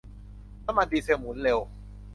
น้ำมันดีเซลหมุนเร็ว